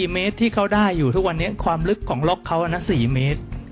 ๔เมตรที่เขาได้อยู่ทุกวันนี้ความลึกของล็อกเขาอันนั้น๔เมตร